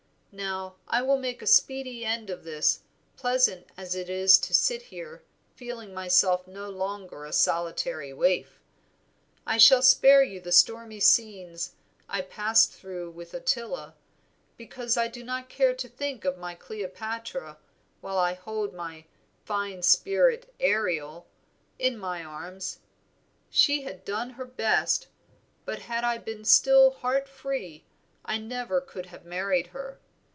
Now I will make a speedy end of this, pleasant as it is to sit here feeling myself no longer a solitary waif. I shall spare you the stormy scenes I passed through with Ottila, because I do not care to think of my Cleopatra while I hold 'my fine spirit Ariel' in my arms. She had done her best, but had I been still heart free I never could have married her.